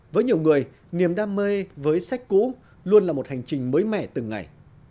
với nhiều người niềm đam mê với sách cũ luôn là một hành trình mới mẻ từng ngày